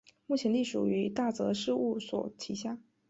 目前隶属于大泽事务所旗下。